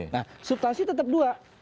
nah substansi tetap dua